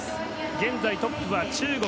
現在トップは中国。